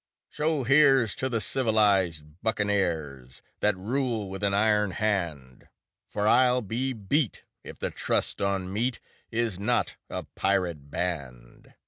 So here's to the civilized buccaneers That rule with an iron hand, For I'll be beat if the Trust on Meat Is not a pirate band.